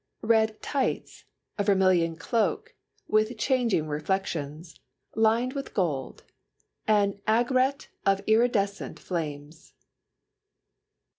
Red tights, a vermilion cloak, with changing reflections, lined with gold. An aigrette of iridescent flames.